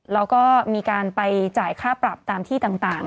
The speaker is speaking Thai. แล้วก็มีการไปจ่ายค่าปรับตามที่ต่าง